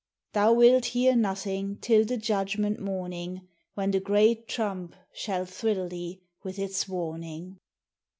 Thou wilt hear nothing till the judgment morning, When the great trump shall thrill thee with its warning.